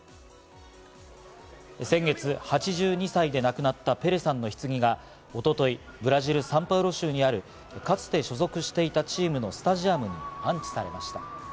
先月、８２歳で亡くなったペレさんの棺が一昨日、ブラジル・サンパウロ州にある、かつて所属していたチームのスタジアムに安置されました。